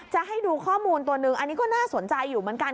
จะให้ดูข้อมูลตัวหนึ่งอันนี้ก็น่าสนใจอยู่เหมือนกัน